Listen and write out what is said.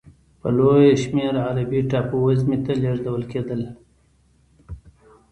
په لویه شمېر عربي ټاپو وزمې ته لېږدول کېدل.